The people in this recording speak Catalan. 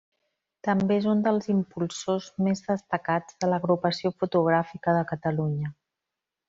També és un dels impulsors més destacats de l'Agrupació Fotogràfica de Catalunya.